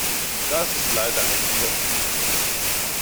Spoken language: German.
Das ist leider ein Widerspruch in sich.